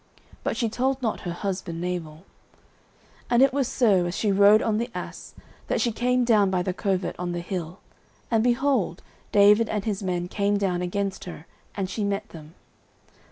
But she told not her husband Nabal. 09:025:020 And it was so, as she rode on the ass, that she came down by the covert on the hill, and, behold, David and his men came down against her; and she met them.